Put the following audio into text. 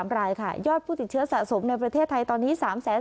รายค่ะยอดผู้ติดเชื้อสะสมในประเทศไทยตอนนี้